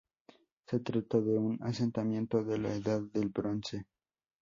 Se trata de un asentamiento de la Edad del Bronce.